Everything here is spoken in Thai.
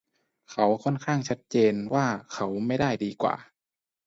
เขาค่อนข้างชัดเจนว่าเขาไม่ได้ดีกว่า